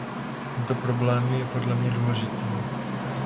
Tento problém je podle mě důležitý.